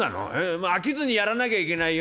まあ飽きずにやらなきゃいけないよ」。